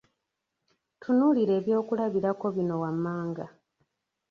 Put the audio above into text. Tunuulira ebyokulabirako bino wammanga.